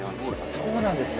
そうなんですね。